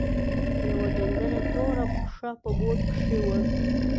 يوه ډنګره توره پښه په بوټ کښې وه.